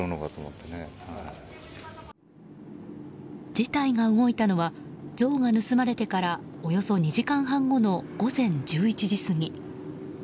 事態が動いたのは像が盗まれてからおよそ２時間半後の午前１１時過ぎ。